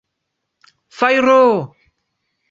Fajro!